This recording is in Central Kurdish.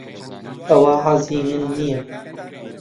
ئەوە حەزی من نییە.